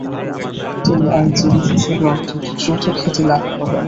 তিনি আইনজীবী হিসেবে অত্যন্ত দ্রুত খ্যাতি লাভ করেন।